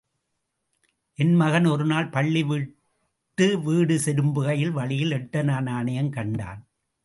என் மகன் ஒருநாள் பள்ளிவிட்டு வீடு திரும்புகையில் வழியில் எட்டனா நாணயம் கண்டான்.